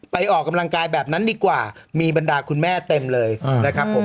ออกกำลังกายแบบนั้นดีกว่ามีบรรดาคุณแม่เต็มเลยนะครับผม